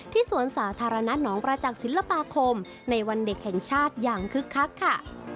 สวนสาธารณะหนองประจักษ์ศิลปาคมในวันเด็กแห่งชาติอย่างคึกคักค่ะ